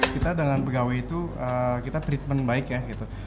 kita dengan pegawai itu kita treatment baik ya gitu